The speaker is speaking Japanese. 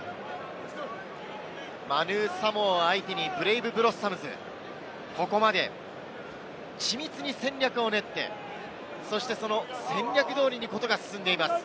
マヌ・サモアを相手にブレイブ・ブロッサムズ、ここまで緻密に戦略を練って、その戦略通りに事が進んでいます。